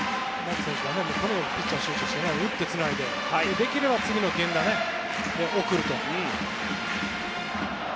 とにかくピッチャーに集中して打ってつないでできれば次の源田で送ると。